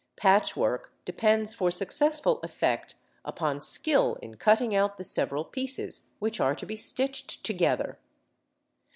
Patchwork depends for successful effect upon skill in cutting out the several pieces which are to be stitched together.